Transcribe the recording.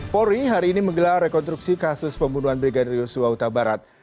polri hari ini menggelar rekonstruksi kasus pembunuhan brigadier yusuf wauta barat